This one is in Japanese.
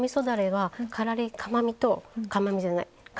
だれはかまみとかまみじゃないからみ。